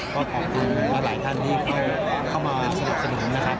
ก็ขอบคุณหลายท่านที่เข้ามาสนับสนุนนะครับ